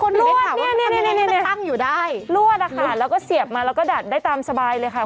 คนเลยถามว่าทำอย่างไรแต่ตั้งอยู่ได้รวดค่ะแล้วก็เสียบมาแล้วก็ดัดได้ตามสบายเลยค่ะ